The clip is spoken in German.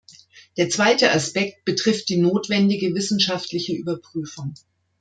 Der zweite Aspekt betrifft die notwendige wissenschaftliche Überprüfung.